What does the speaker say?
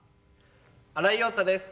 新井庸太です。